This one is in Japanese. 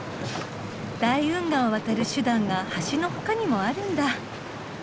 大運河を渡る手段が橋の他にもあるんだ。